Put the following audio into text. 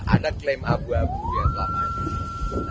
ada klaim abu abu yang lama itu